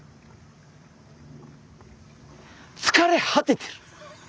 つかれ果ててる。